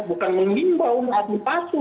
bukan mengimbau atau pasu